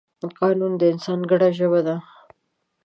قانون د انسان ګډه ژبه ده.